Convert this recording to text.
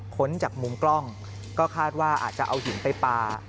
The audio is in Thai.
ค้นจากมุมกล้องก็คาดว่าอาจจะเอาหินไปปลา